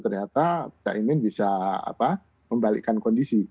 ternyata caimin bisa membalikkan kondisi